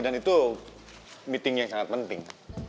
dan itu meeting yang sangat penting